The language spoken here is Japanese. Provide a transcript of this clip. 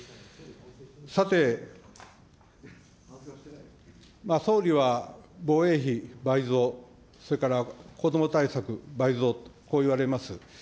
さて、総理は防衛費倍増、それからこども対策倍増、こう言われます。